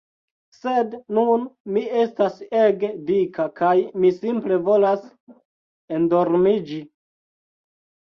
Sed nun mi estas ege dika kaj mi simple volas endormiĝi